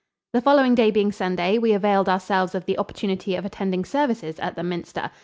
The following day being Sunday, we availed ourselves of the opportunity of attending services at the Minster.